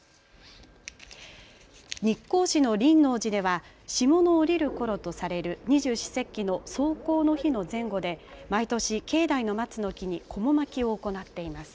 日光市の輪王寺では霜の降りるころとされる二十四節気の霜降の日の前後で毎年、境内の松の木にこも巻きを行っています。